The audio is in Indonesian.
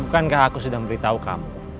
bukankah aku sudah memberitahu kamu